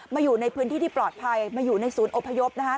อยู่ในพื้นที่ที่ปลอดภัยมาอยู่ในศูนย์อพยพ